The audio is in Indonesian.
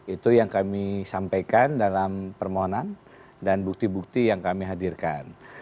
itu yang kami sampaikan dalam permohonan dan bukti bukti yang kami hadirkan